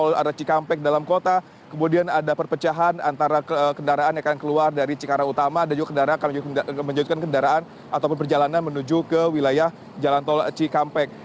tol cikampek dalam kota kemudian ada perpecahan antara kendaraan yang akan keluar dari cikarang utama dan juga kendaraan akan melanjutkan kendaraan ataupun perjalanan menuju ke wilayah jalan tol cikampek